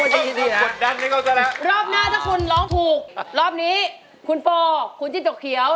ยินดีด้วยค่ะคุณเต้รอบหน้าถ้าคุณร้องถูกรอบนี้คุณฟอร์คุณจินตกเขียว